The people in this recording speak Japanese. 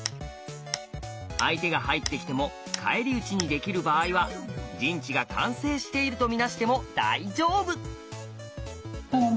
相手が入ってきても返り討ちにできる場合は陣地が完成しているとみなしても大丈夫。